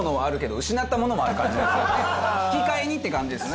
引き換えにって感じですね